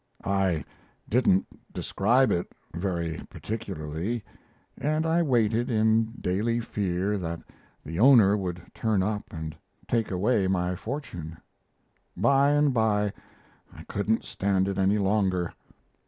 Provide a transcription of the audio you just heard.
"I didn't describe it very particularly, and I waited in daily fear that the owner would turn up and take away my fortune. By and by I couldn't stand it any longer.